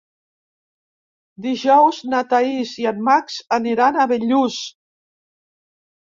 Dijous na Thaís i en Max aniran a Bellús.